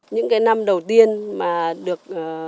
những năm đầu tiên mà được